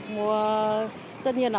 mùa tất nhiên là